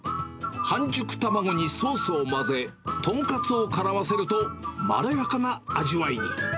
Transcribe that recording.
半熟卵にソースを混ぜ、豚カツをからませると、まろやかな味わいに。